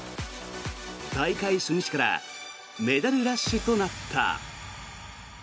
大会初日からメダルラッシュとなった。